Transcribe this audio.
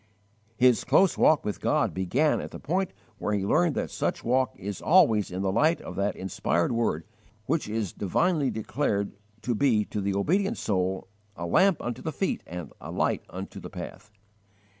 His close walk with God began at the point where he learned that such walk is always in the light of that inspired word which is divinely declared to be to the obedient soul "a lamp unto the feet and a light unto the path."